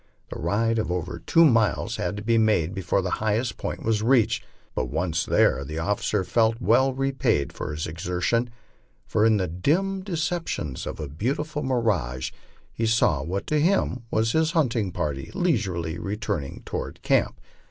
A ride of over two miles had to be made before the highest point was reached, but once there the officer felt well repaid for his exertion, for in the dim deceptions of a beau tiful mirage he saw what to him was his hunting party leisurely returning to ward camp.